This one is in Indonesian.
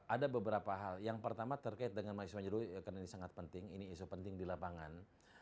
ada beberapa hal yang pertama terkait dengan mahasiswanya dulu karena ini sangat penting ini isu penting di lapangan